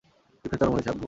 গিফটটা চরম হয়েছে, আব্বু।